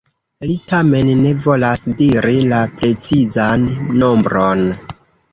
Li tamen ne volas diri la precizan nombron.